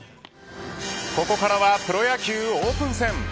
ここからはプロ野球オープン戦。